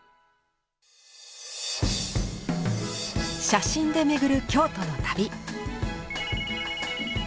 写真でめぐる京都の旅。